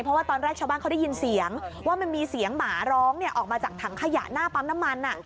เพราะว่าตอนแรกชาวบ้านเขาได้ยินเสียงว่ามันมีเสียงหมาร้องออกมาจากถังขยะหน้าปั๊มน้ำมัน